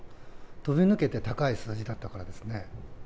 飛び抜けて高い数字だったからですね。